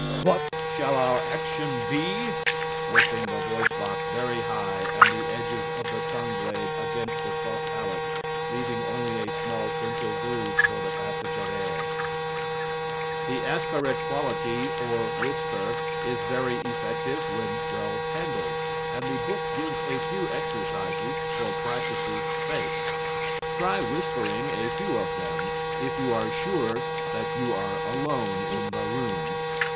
What shall our action be? (Lifting the voice box very high and the edges of the tongue blade against the soft palate, leaving only a small central groove for the passage of air.)" The aspirate quality, or whisper, is very effective when well handled, and the book gives a few exercises for practice's sake. Try whispering a few of them, if you are sure that you are alone in the room.